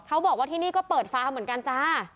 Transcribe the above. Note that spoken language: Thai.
เขาบอกว่าที่นี่ก็เปิดฟาร์มเหมือนกันจ้า